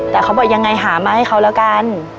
แต่เขาบอกยังไงหามาให้เขาแล้วกัน